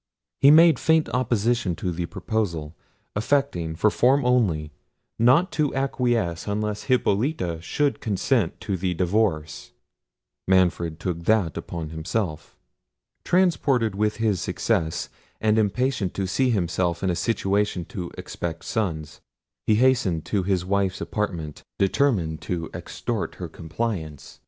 He made faint opposition to the proposal; affecting, for form only, not to acquiesce unless Hippolita should consent to the divorce. Manfred took that upon himself. Transported with his success, and impatient to see himself in a situation to expect sons, he hastened to his wife's apartment, determined to extort her compliance.